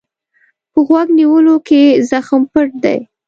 په غوږ نیولو کې زغم پټ دی.